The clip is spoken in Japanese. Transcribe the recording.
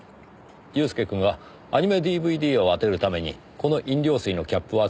祐介くんはアニメＤＶＤを当てるためにこの飲料水のキャップを集めていましたからね。